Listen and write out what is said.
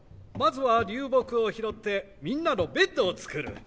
まずは流木を拾ってみんなのベッドを作る。